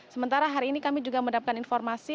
sementara hari ini kami juga mendapatkan informasi